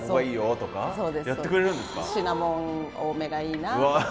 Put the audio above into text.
「シナモン多めがいいな」とか。